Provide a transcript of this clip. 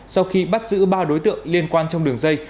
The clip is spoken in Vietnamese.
sau khi bắt giữ ba đối tượng liên quan trong đường dây